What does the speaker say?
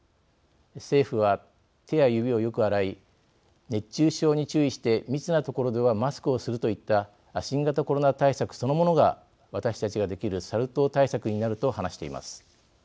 政府は、手や指をよく洗い熱中症に注意して密な所ではマスクをするといった新型コロナ対策そのものが私たちができるサル痘対策になると話しています。